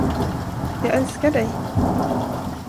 Jag älskar dig.